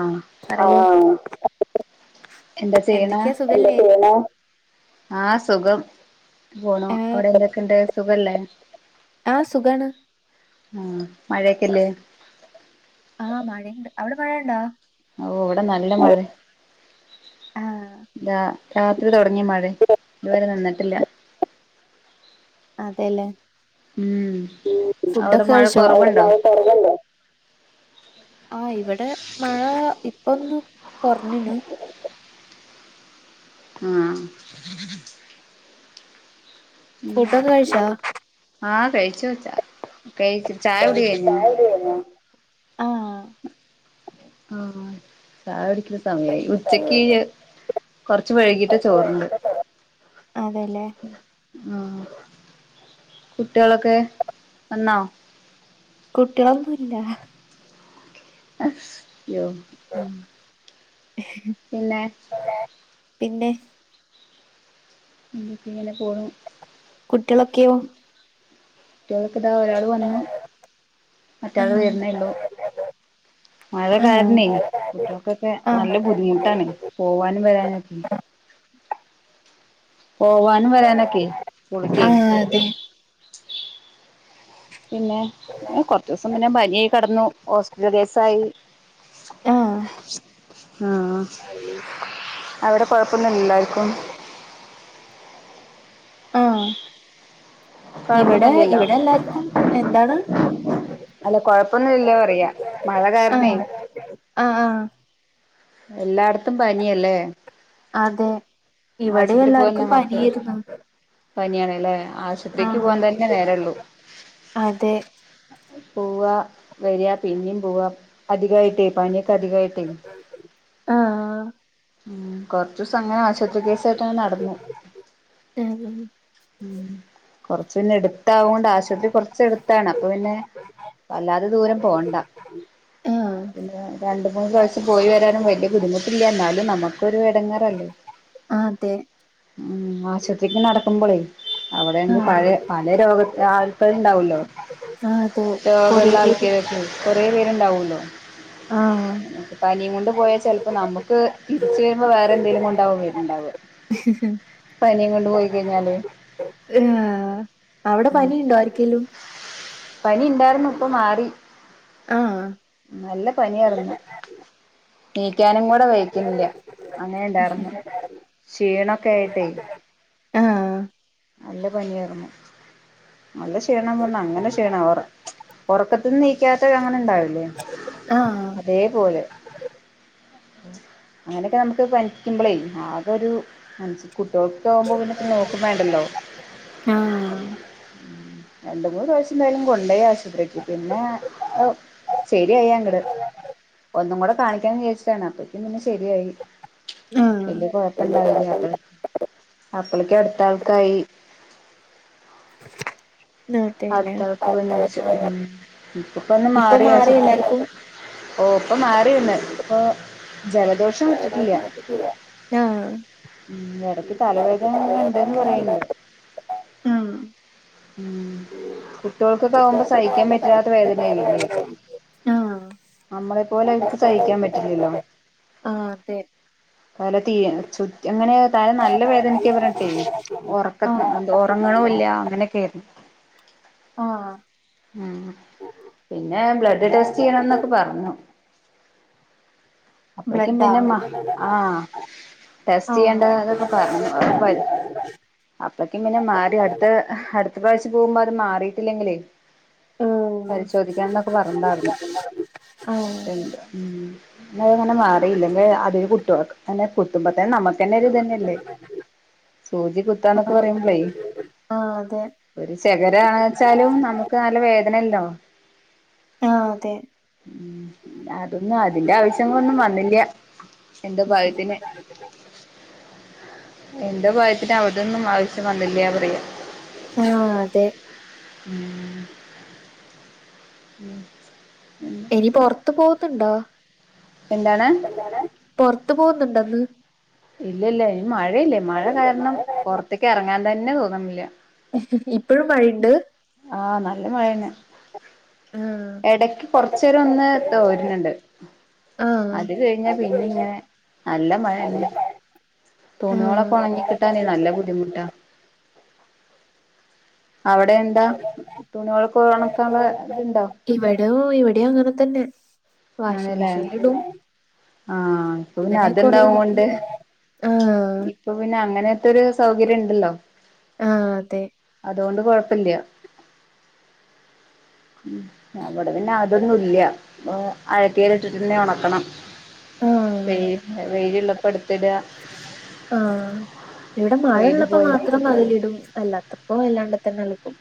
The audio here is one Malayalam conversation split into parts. ആഹ് പറയൂ ആഹ് എന്താ ചെയ്യ്ണെ? എന്തൊക്കെയാ എന്താ ചെയ്യണേ ആഹ് സുഖം. പോണു. ഏഹ് അവിടെ എന്തൊക്കെണ്ട്, സുഖല്ലേ? ആഹ് സുഖാണ് ആഹ് മഴൊക്കെയില്ലേ? ആഹ് മഴയിണ്ട്. അവ്ടെ മഴയ്ണ്ടോ? ഓഹ് ഇവടെ നല്ല മഴെ. ആഹ് രാ രാത്രി തൊടങ്യ മഴെ. ഇതുവരെ നിന്നിട്ടില്ല. അതെല്ലേ. ഉം അവിടെ ഫുഡൊക്കെ മഴ കഴിച്ചോ? കുറവുണ്ടോ ആഹ് ഇവടെ മഴ ഇപ്പൊന്ന് കൊർഞ്ഞുനു. ആഹ് പിന്നെ ഫുഡൊക്കെ കഴിച്ചോ? ആഹ് കഴിച്ചു ച്ചാ. കഴിച്ചു ചായ കുടി കഴിഞ്ഞൊ? ആഹ് ആഹ്. ചായ കുടിക്ക്യ്ണ സമയായി. ഉച്ചക്ക് കൊറച്ച് വഴ്കീട്ടാ ചോറ് ന്നത്. അതെല്ലേ ആഹ്. കുട്ടിയേളൊക്കെ, വന്നോ? കുട്ട്യേളൊന്നുല്ല. യ്യോ പിന്നെ പിന്നെ എന്തൊക്കെ. ഇങ്നെ പോണു. കുട്ടിയേളൊക്കെയോ. കുട്ടിയേളൊക്കെ ഇതാ ഒരാള് വന്നു മറ്റെയാള് ആഹ് വര്ണേ ള്ളു. മഴ ആഹ് കാരണേ കുട്ടികൾക്കൊക്കെ നല്ല ആഹ് ബുദ്ധിമുട്ടാണ് പോവാനും വരാനും ഒക്കെയ്. പോവാനും വരാനൊക്കെ സ്കൂൾക്കേ ആഹ് അതെ പിന്നെ. ഏഹ് കൊറച്ചൂസം പിന്നെ പനിയായ് കെടന്നു ഹോസ്പിറ്റൽ കേസ് ആയി. ആഹ് ആ [inaudible] അവിടെ കൊഴപ്പൊന്നും ഇല്ലല്ലോ ആർക്കും ആഹ് ഇവെടെ കൊഴപ്പൊന്നുമില്ലല്ലോ ഇവെടെ എല്ലാർക്കും, എന്താണ്? അല്ല കൊഴപ്പൊന്നും ഇല്ലല്ലൊ പറയാ. മഴ കാരണേ ആഹ് ആഹ് ആഹ് എല്ലാട്ത്തും പനിയല്ലേ അതെ. ഇവടി എല്ലാർക്കും പനി ഏര്ന്നു. പനിയാണ് ല്ലേ. ആശത്രിക്ക് പോവാൻ തന്നെ നേരൊള്ളു അതെ പൂവാ വരാ പിന്നിം പൂവാ അധികായിട്ടേ പനിയൊക്കെ അധികായിട്ടേ. ആഹ് ഉം കൊറച്ചുസം അങ്ങനെ ആശുപത്രി കേസായിട്ടങ്ങനെ നടന്നു. ഉം കൊറച്ച് പിന്നെ എടുത്താവൊണ്ട് ആശുപത്രി കൊറച്ച് എടുത്താണ് അപ്പൊ പിന്നെ വല്ലാതെ ദൂരം പോണ്ട. ആഹ് പിന്നെ രണ്ട് മൂന്ന് പ്രാവിശ്യം പോയി വരാനും വല്യ ബുദ്ധിമുട്ടില്ല എന്നാലും നമുക്കൊരു ഇടങ്ങേറല്ലേ അതെ ഉം ആശത്രിക്ക് നടക്കുമ്പൊളേ അവിടെണെങ്കി പഴ ആഹ് പലെ രോഗ ആൾക്കാര് ഇണ്ടാവല്ലോ. അതെ കൊറേ രോഗെള്ള പേര് ആൾക്കേരൊക്കെ കൊറേ പേര് ണ്ടാവുല്ലോ. ആഹ് പനിയും കൊണ്ട് പോയാ പ്പ നമുക്ക് തിരിച്ച് വരുമ്പോ വേറെന്തേലും കൊണ്ടാവും വര്ണ്ടാവാ. ആഹ് അവിടെ പനിയുണ്ടോ ആരിക്കേലും പനി ഉണ്ടായിരുന്നു ഇപ്പൊ മാറി ആഹ് നല്ല പനിയായിരുന്നു എണിക്കാനും കൂടെ വഹക്കുന്നില്ല അങ്ങനെ ഇണ്ടാർന്ന് ക്ഷീണൊക്കെ ആയിട്ടേ ആഹ് നല്ല പനിയായിരുന്നു നല്ല ക്ഷീണം പറഞ്ഞ അങ്ങനെ ക്ഷീണം ആഹ് ഒറ ഉറക്കത്തിന്ന് നീക്കാത്ത അങ്ങനെ ഇണ്ടാവൂലേ ആഹ് അതേപോലെ അങ്ങനൊക്കെ നമുക്ക് പനിക്കുമ്പോളേ ആകെ ഒരു കുട്ട്യോൾക്കൊക്കെ ആകുമ്പോൾ പിന്നെ നോക്കുന്നുണ്ടല്ലോ ആഹ് ഉം രണ്ട് മൂന്ന് പ്രാവശ്യം എന്തായാലും കൊണ്ടോയി ആശുപത്രിക്ക് പിന്നെ ശരിയായി അങ്ങട് ഒന്നും കൂടെ കാണിക്കാന്ന് വിചാരിച്ചതാ അപ്പക്കും പിന്നെ ശെരിയായി ആഹ് വല്യ കൊഴപ്പണ്ടാവില്ലേ അപ്പഴേ അപ്പഴേക്കും അടുത്ത ആൾക്കായി ആ [inaudible] അടുത്താൾക്ക് പനി പിടിച്ചു ഉം ഇപ്പ പിന്നെ ഇപ്പൊ മാറി എല്ലാർക്കും ഇപ്പോ മാറി വന്ന് ഇപ്പൊ ജലദോഷം വിട്ടിട്ടില്ല ആഹ് ഉം ഇടക്ക് തലവേദന ഇങ്ങനെയുണ്ട്ന്ന് പറയണ്ട് ആഹ് ഉം കുട്ട്യോൾക്കൊക്കെ ആവുമ്പോ സഹിക്കാൻ പറ്റാത്ത വേദന ആരിക്കെ ആഹ് നമ്മളെ പോലെ അവർക്ക് സഹിക്കാൻ ആഹ് പറ്റില്ലല്ലോ അതെ തല തീരെ ചുറ്റി അങ്ങനെ തല നല്ല വേദനക്ക്യന്ന് പറഞ്ഞിട്ടെ ഉറക്ക ആഹ് ഉറങ്ങാണുല്ലാ അങ്ങനെയൊക്കെ ആയിരുന്നു ആഹ് ഉം പിന്നെ ബ്ലഡ് ടെസ്റ്റ് ചെയ്യണം എന്നൊക്കെ പറഞ്ഞു അപ്പഴേക്കും ബ്ലഡാ പിന്നെ മ ആഹ് ടെസ്റ്റ് ചെയ്യണ്ട ആഹ് അതൊക്കെ പറഞ്ഞു അപ്പക്കിന് പിന്നെ മാറി അടുത്തത് അടുത്ത പ്രാവശ്യം പോകുമ്പോ അത് മാറിയിട്ടില്ലെങ്കിലേ ഉം പരിശോധിക്കണന്നൊക്കെ പറഞ്ഞ്ണ്ടാരുന്നു ആഹ് എന്നിട്ട് ഉം ന്നങ്ങനെ മാറിയില്ലെങ്കിൽ അതൊരു കുട്ടോൾക്ക് അല്ല കുത്തുമ്പോ തന്നെ നമ്മ നന്മക്ക് തന്നൊരു ഇതന്നെയല്ലേ സൂചി കുത്താന്നൊക്കെ ആഹ് പറയുമ്പളേയ് ആഹ് അതെ ഒരു ചെകരാണ്ച്ചാലും നമുക്ക് നല്ല വേദനല്ലോ. ആഹ് അതെ ഉം അതൊന്നും അതിന്റെ ആവശ്യങ്ങളൊന്നും വന്നില്ല. എന്റെ [unintelligible] എന്തോ ഭാഗ്യത്തിന് അവിടെന്നും ആവശ്യം വന്നില്ലാ പറയ ആഹ് അതെ ഉം ഉം ഉം നി പൊറത്ത് പോകത്ത്ണ്ടോ എന്താണ് പൊറത്ത് പോകുന്നുണ്ടോ ഇന്ന് ഇല്ല ഇല്ല അയ്‌ന് മഴയില്ലേ മഴ കാരണം പൊറത്തേക്ക് എറങ്ങാൻ തന്നെ തോന്ന്ണില്ല. ഇപ്പഴും മഴയിണ്ട് ആഹ് നല്ല മഴന്നെ ആഹ് എടയ്ക്ക് കൊറച്ചേരൊന്ന് തോര്ണ്ണണ്ട് ആഹ് അത് കഴിഞ്ഞാ പിന്നിങ്ങനെ നല്ല മഴന്നെ തുണിയോളൊക്കെ ആഹ് ഒണങ്ങി കിട്ടാനെ നല്ല ബുദ്ധിമുട്ടാ. അവിടെ എന്താ തുണിയോളൊക്കെ ഒണക്കാള്ളെ ഇതുണ്ടോ? ഇവിടോ ഇവിടെം അങ്ങനെ തന്നെ വാഷിങ് ആണല്ലേ മെഷീനിലിടും. ആഹ് ഇപ്പൊ പിന്നെ അതുണ്ടാവോണ്ട് [inaudible] ആഹ് ഇപ്പൊ പിന്നെ അങ്ങനെത്തൊരു സൗകര്യം ഇണ്ടല്ലോ. ആഹ് അതെ അതോണ്ട് കൊഴപ്പല്ല. ഉം അവടെ പിന്നെ അതൊന്നും ഇല്ല അപ്പോ അയക്കേലിട്ടിട്ട് തന്നെ ഒണക്കണം ആഹ് വെയ് വെയിലിള്ളപ്പോൾ ഇട്ത്ത്ട ആഹ് ഇവടെ വെയില് മഴള്ളപ്പോ പോയി മാത്രം. ന്നൊയലിടും അല്ലാത്തപ്പോ അല്ലാണ്ടത്തന്നെ അലക്കും.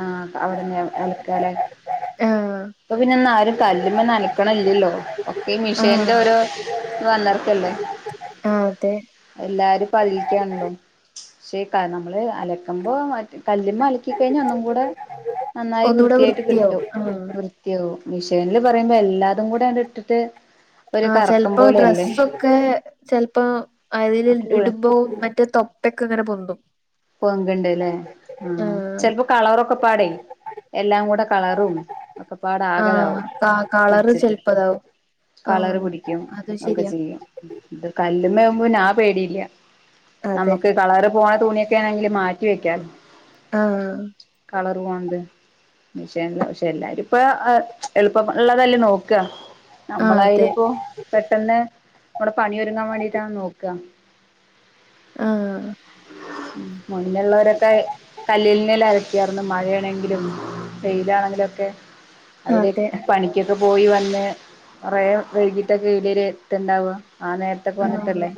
ആഹ് അവിടന്ന് അലക്കാലെ. ആഹ് ഇപ്പൊ പിന്നൊന്നും ആരും കല്ലുമ്മന്നും അലക്കണില്ലല്ലോ ഒക്കെ ഈ മിഷേന്റെ ആഹ് ഓരോ വന്നേർക്കല്ലേ ആഹ് അതെ എല്ലാരും പ്പോ അതിൽക്കാണല്ലോ ശേ ക നമ്മള് അലക്കുമ്പോ മറ്റേ കല്ലുമ്മെ അല കഴഞ്ഞ ഒന്നുകൂടെ നന്നായി ഒന്നൂടെ വൃത്തിയായിട്ട് കിട്ടും വൃത്തിയാവും ആഹ് വൃ ത്തിയോ മിഷേനില് പറയുമ്പോ എല്ലാതും കൂടെ അങ്ങട്ട് ഇട്ടിട്ട് ഒരു ആഹ് കറക്കം ചെൽപ്പോ പോലെയല്ലേ ഡ്രസ്സൊക്കെ ചെൽപ്പോ അതിൽ ഇടുമ്പോ മ റ്റേ തൊപ്പൊക്കെ ഇങ്ങനെ പൊന്തും. പൊന്ത്ണ്ട്ല്ലേ ആഹ് ചെലപ്പോ കളറൊക്കെപ്പാടെയ് എല്ലാം കൂടെ കളറും ഒക്കെപ്പാടെ ആഹ് ആകെതാവും ക കളറ് ഒലിച്ചിട്ട്. ചെലപ്പതാവും കളർ ആഹ് പിടിക്കും അത് ഒക്കെ ശരിയാ ചെയ്യും. ഇത് കല്ല്മ്മെവുമ്പോ പിന്നെ ആ പേടിയില്ല അതെ നമ്മുക്ക് കളറ് പോണ തുണിയെ ക്കാണെങ്കില് മാറ്റി വെക്കാലോ. ആഹ് കളർ പോണത്. പക്ഷെ പക്ഷെ എല്ലാരു ഇപ്പ എളുപ്പ ള്ളതല്ലേ നോക്ക ആഹ് നമ്മളായാലു അതെ പ്പോ പെട്ടെന്ന് നമ്മളെ പണി ഒരുങ്ങാൻ വേണ്ടിട്ടാണ് നോക്ക ആഹ് മുന്നള്ളോരൊക്കെ കല്ലിനൽ അലക്കിയായിരുന്നു മഴയാണെങ്കിലും വെ യിലാണെങ്കിലുക്കെ അവര് അതെ പണിക്കൊക്കെ പോയി വന്ന് കൊറെ വൈകീട്ടൊക്കെ [unintelligible] എത്ത്ണ്ടാവ ആ നേരത്തൊക്കെ ആഹ് വന്നിട്ടല്ലേ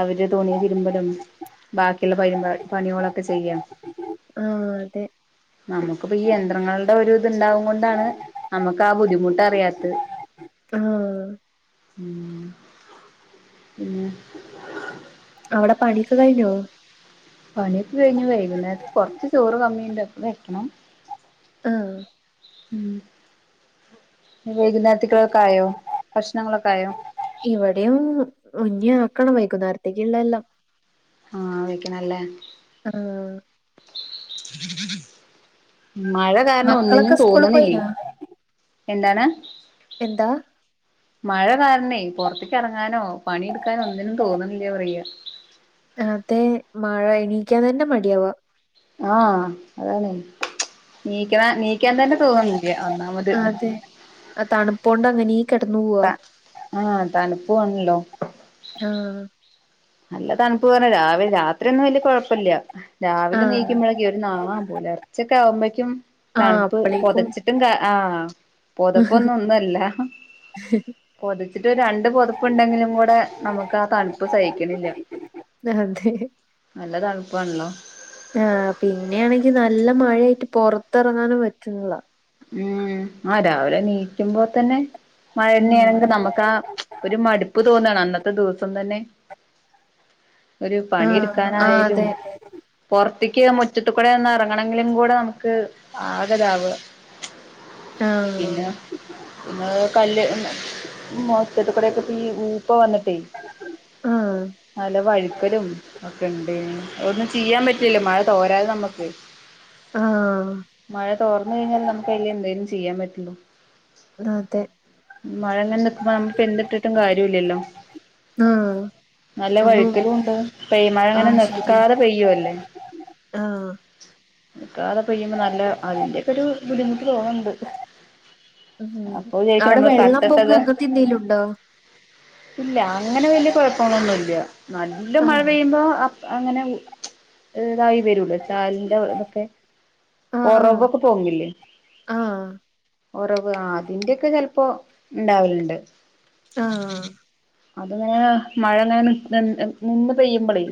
അവര് തുണി തിരുമ്പലും ബാക്കിള്ള പരി പണ്യോളൊക്കെ ചെയ്യാ ആഹ് അതെ നമുക്കു പ്പൊ ഈ യന്ത്രങ്ങളുടെ ഒരു ഇത്ണ്ടാവും കൊണ്ടാണ് നമക്ക് ആ ബുദ്ധിമുട്ട് അറിയാത്തഹ് ആഹ് പിന്നെ അവിടെ പണിയൊക്കെ കഴിഞ്ഞോ പണിയൊക്കെ കഴിഞ്ഞ് വൈകു ന്നേര്ത്ത് കൊർച്ച് ചോറ് കമ്മിണ്ട് അപ്പ വെക്കണം ആഹ് ഉം വൈകുന്നേരത്ത്ക്ക്‌ളൊക്കെ ആയോ ഭക്ഷ്ണങ്ങളൊക്കെ ആയോ ഇവിടും ഇഞ്ഞി ആക്കണം വൈകുന്നേരത്ക്ക്‌ ള്ള എല്ലാം ആ വെക്കണല്ലേ ആഹ് മഴ കാരണം മക്കളൊക്കെ ഒന്നിനും സ്കൂള് തോന്ന്ണില്ലേ പോയിനോ എന്താണ് എന്താ മഴ കാരണേ പൊർത്ത്ക്ക് എ റങ്ങാനോ പണിയെടുക്കാനോ ഒന്നിനും തോന്ന്ണില്ല പറയ അതെ മഴ എണീക്കാൻ തന്നെ മടിയാവ ആഹ് അതാണ് ണീക്ക ണീക്കാൻ തന്നെ തോന്ന്ണില്ല ഒന്നാമത് അതെ ആ തണുപ്പൊണ്ട് അങ്ങനെ കെ ടന്നു പോവാ ത ആഹ് തണുപ്പും ആണ്ല്ലോ ആഹ് നല്ല തണുപ്പ് പറഞ്ഞാ രാവിലെ രാത്രിയൊന്നും വല്യ കൊഴപ്പല്ല്യ രാവിലെ ആഹ് നീക്കുമ്പഴ് ഈ ഒരു നാവാൻ പോലെ പുലർച്ചക്കെ ആവുമ്പോക്കും ആഹ് തണുപ്പ് അപ്പളേക്കും പൊതച്ചിട്ടും കാ ആഹ് പൊതപ്പൊന്നും ഒന്നും അല്ല പൊതിച്ചിട്ട് രണ്ട് പൊതപ്പ്ണ്ടെങ്കിലും കൂടെ നമക്ക് ആ തണുപ്പ് സഹി ക്കണില്ല അതെ നല്ല തണുപ്പാണ്ല്ലോ ആഹ് പിന്നെയാണെങ്കി നല്ല മഴയായിട്ട് പൊറത്തെറങ്ങാനും പറ്റ്ണ്ല്ല ഉം ആ രാവിലെ നീക്കുമ്പോ തന്നെ മഴെന്നെ ഉം ആണെങ്കി നമക്ക്‌ ആഹ് ഒരു മടുപ്പ് തോന്നാണ് അന്നത്തെ ദിവസം തന്നെ ഒരു പണി ആഹ് ആഹ് ഇടുക്കാനായാലും അതെ പൊറത്ത്ക്ക് ആ മുറ്റത്ത് കൂടെന്ന് ഇറങ്ങണങ്കിലും കൂടെ നമുക്ക് ആകതാവ ആഹ് പിന്നെ ഏ കല്ല് മൊറ്റത്ത് കൂടെക്കെ ഈ ഊപ്പ വന്നിട്ടേ ആഹ് നല്ല വഴുക്കലും ഒക്കെ ഇണ്ടെയിഞ്ഞി ഒന്നും ചെയ്യാൻ പറ്റുല്ല മഴ തോരാതെ നമ്മക്ക് ആഹ് മഴ തോർന്ന് കഴിഞ്ഞാലെ നമക്ക് അയ്ല് എന്തേലും ചെയ്യാൻ പറ്റുള്ളൂ അതെ മഴ ഇങ്ങനെ നിക്കുമ്പോ നമ്മ ഇപ്പൊ എന്ത്‌ട്ടിട്ടും കാര്യം ഇല്ലല്ലോ ആഹ് നല്ല ഒന്നും വഴുക്കലും ഉണ്ട് പെയ്യ് മഴ ഇങ്ങനെ ആഹ് ശരിയാ നിക്കാതെ പെയ്യു അല്ലേ ആഹ് നിക്കാതെ പെയ്യുമ്പ നല്ല അതിന്റെക്കൊരു ബുദ്ധിമുട്ട് തോന്നണ്ട് ഉം അവിടെ വെള്ളം പൊങ്ങാ അങ്ങനത്തെ എന്തേലുണ്ടോ ഇല്ല അങ്ങനെ വല്യ കൊഴപ്പങ്ങളൊന്നുല്ല നല്ല മഴ ആഹ് പെയ്യുമ്പോ അങ്ങനെ ഇതായി വരൂല്ലൊ ചാലിന്റെ ഇതൊക്കെ ആഹ് ഒറവൊക്കെ പൊങ്ങില്ലെ ആഹ് ഒറവ് ആഹ് അതിന്റെക്കെ ചെലപ്പൊ ഇണ്ടാവല്ണ്ട് ആഹ് അതിങ്ങനെ മഴങ്ങനെ നി നിന്ന് പെയ്യുമ്പളേ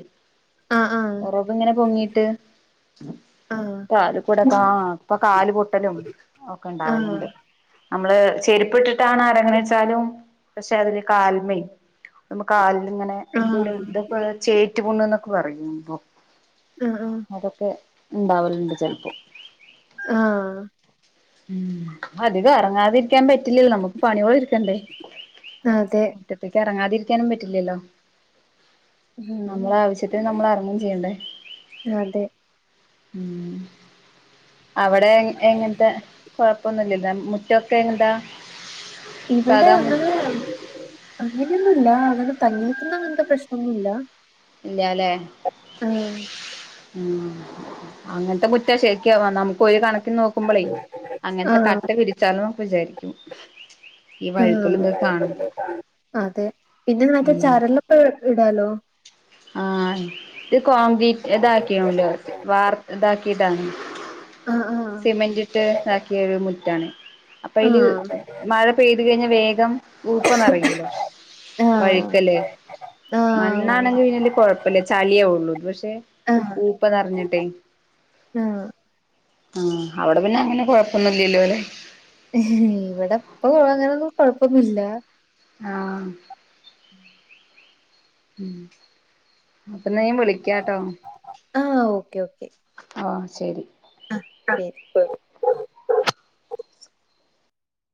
ആഹ് ആഹ് ഒറവിങ്ങനെ പൊങ്ങീട്ട് ആഹ് കാല്കൂടെ ആഹ് ഇപ്പൊ കാല് പൊട്ടലും ഒക്കെ ആഹ് ഇണ്ടാവലുണ്ട് നമ്മള് ചെരുപ്പിട്ടിട്ടാണ് അരങ്ങ്ണേച്ചാലും പക്ഷെ അതില് കാല്മെ നമ്മു കാലിൽ ഇങ്ങനെ ആഹ് ഉളി ആഹ് ഇതൊപ്പ ചേറ്റ്പുണ്ണ്ന്നൊക്കെ പറയും മ്പൊ ആഹ് അതൊക്കെ ഇണ്ടാവലുണ്ട് ചെലപ്പോ ആഹ് ഉം അധികം എറങ്ങാതിരിക്കാൻ പറ്റില്ല നമുക്ക് പണ്യോള് ഇരിക്കണ്ടേ അതെ മുറ്റത്തേക്ക് എറങ്ങാതിരിക്കാനും പറ്റില്ലല്ലോ ഉം നമ്മള ആവശ്യത്തിന് നമ്മള് എറങ്ങും ചെയ്യണ്ടെ അതെ ഉം അവിടെ എങ്ങനത്തെ കൊഴപ്പോന്നുല്ലല്ലൊ മുറ്റൊക്കെ എന്താ ഇവിടെ അങ്ങനെ അങ്ങനെയൊന്നൂല്ല അങ്ങനെ തങ്ങി നിക്കുന്ന അങ്ങനത്തെ പ്രശ്നോന്നുംല്ല ഇല്ല്യാലെ ഉം അങ്ങനത്തെ മുറ്റാ ശരിക്ക്‌ നമുക്ക് ഒരു കണ ക്കിന് നോക്കുമ്പളെ അങ്ങനത്തെ ആഹ് കട്ട വിരിച്ചാലോന്നൊക്കെ വിചാരിക്കും ഈ വഴുക്കലും ഇതൊക്കെ ആഹ് കാണുമ്പോ അതെ പിന്നെ മറ്റേ ഉം ചരലൊക്കെ ഇടാലോ ആഹ് ഇത് കോംക്രീറ്റ് ഇതാക്കിണ് ഓല് വാർ ഇതാക്കീതാണ് ആഹ് ആഹ് സിമെന്റിട്ട് ഇതാക്കിയ ഒരു മുറ്റാണ് അപ്പൊ അയില് ആഹ് മഴ പെയ്തി ത് കഴിഞ്ഞ വേഗം ഉപ്പനെറയൂല്ലൊ ആഹ് വഴുക്കല് ആഹ് മണ്ണാണെങ്കി പിന്നല് കൊഴപ്പില്ല ചളിയെ ആവുള്ളൂ ഇത് പക്ഷെ ആഹ് ഊപ്പ നെറഞ്ഞിട്ടെ ആഹ് ആഹ് അവിടെ പിന്നെ അങ്ങനെ കൊഴപ്പൊന്നില്ലല്ലോലെ ഇവിടിപ്പം അങ്ങനൊന്നും കൊഴപ്പൊന്നുല്ല ആഹ് ഉം അപ്പന്ന ഞാ വിളിക്കാട്ടോ ആഹ് ഓക്കെ ഓക്കെ ഓ ശരി ആഹ് ശരി